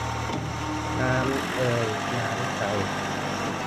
น้ำ เอย น้ำ ใจ